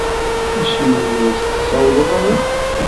Acimi ur as-d-tsawaleḍ ara?